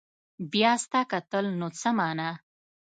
بيا ستا کتل نو څه معنا